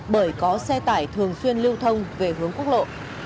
bởi có xe tải thường xuyên lưu thông về hướng quốc lộ